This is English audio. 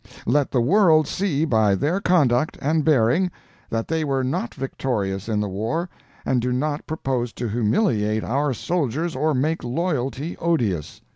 Let the world see by their conduct and bearing that they were not victorious in the war and do not propose to humiliate our soldiers or make loyalty odious.